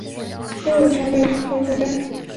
另有台北市漂书站。